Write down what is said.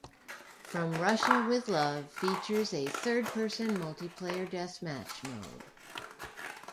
"From Russia with Love" features a third-person multiplayer deathmatch mode.